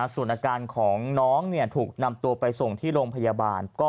ส่วนอาการของน้องถูกนำตัวไปส่งที่โรงพยาบาล